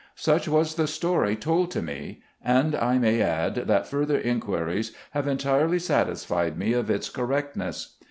Such was the story told to me ; and I may add, that further inquiries have entirely satisfied me of its correctness.